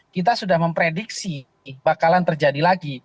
kita sudah memprediksi bakalan terjadi lagi